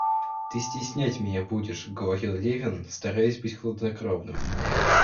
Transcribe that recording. Ты стеснять меня будешь, — говорил Левин, стараясь быть хладнокровным.